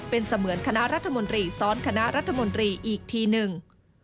เป็นเสมือนคณะรัฐมนตรีซ้อนคณะรัฐมนตรีอีกทีหนึ่ง